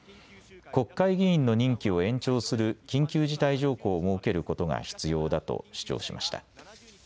国会議員の任期を延長する緊急事態条項を設けることが必要だと主張しました。